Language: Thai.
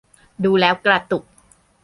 ดูแล้วกระตุก